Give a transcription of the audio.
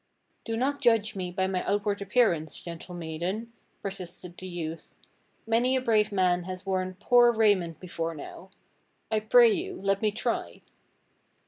"Do not judge me by my outw^ard appearance, gentle maiden," persisted the youth. Many a brave man has worn poor raiment before now. I pray you, let me try."